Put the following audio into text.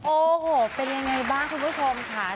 โอ้โหเป็นยังไงบ้างทุกคนค่ะ